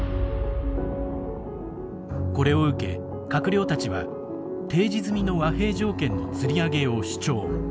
これを受け閣僚たちは提示済みの和平条件のつり上げを主張。